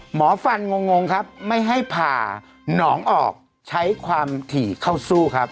หมอฟันงงครับไม่ให้ผ่าหนองออกใช้ความถี่เข้าสู้ครับ